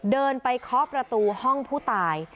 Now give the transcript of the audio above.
เดินไปเคาะประตูห้องผู้ตาย